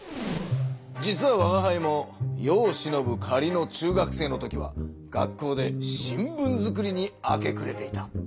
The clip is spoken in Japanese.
実はわがはいも世をしのぶかりの中学生のときは学校で新聞作りに明けくれていた。